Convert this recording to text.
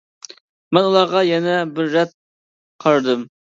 مەن ئۇلارغا يەنە بىر رەت قارىدىم.